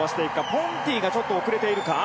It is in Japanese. ポンティがちょっと遅れているか。